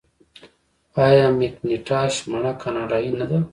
آیا مکینټاش مڼه کاناډايي نه ده؟